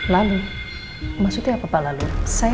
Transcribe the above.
lalu maksudnya apa pak lalu